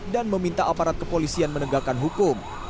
dan meminta aparat kepolisian menegakkan hukum